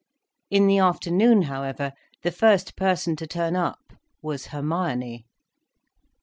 In the afternoon, however, the first person to turn up was Hermione.